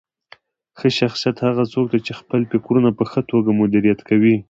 ښه شخصیت هغه څوک دی چې خپل فکرونه په ښه توګه مدیریت کوي.